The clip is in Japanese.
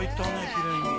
きれいに。